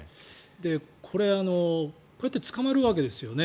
これこうやって捕まるわけですよね。